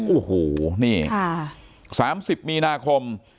โอ้โหนี่๓๐มีนาคม